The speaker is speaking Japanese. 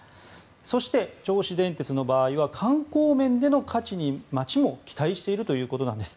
そして、銚子電鉄の場合は観光面での価値に街も期待しているということなんです。